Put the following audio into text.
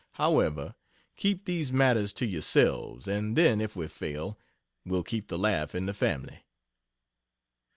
However, keep these matters to yourselves, and then if we fail, we'll keep the laugh in the family.